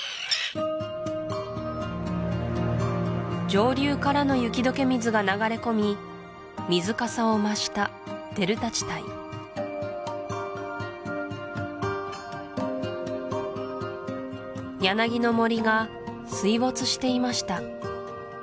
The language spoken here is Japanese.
上流からの雪解け水が流れ込み水かさを増したデルタ地帯柳の森が水没していました